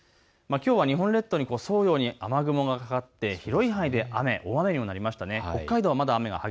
きょうは日本列島に沿うように雨雲がかかって広い範囲で雨、大雨になりました。